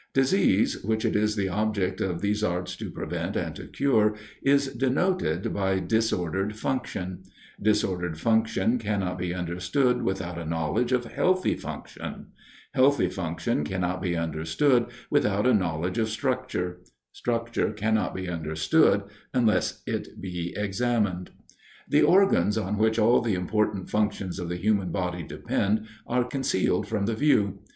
Disease, which it is the object of these arts to prevent and to cure, is denoted by disordered function: disordered function cannot be understood without a knowledge of healthy function; healthy function cannot be understood without a knowledge of structure; structure cannot be understood unless it be examined. The organs on which all the important functions of the human body depend, are concealed from the view.